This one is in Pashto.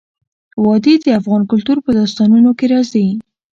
وادي د افغان کلتور په داستانونو کې راځي.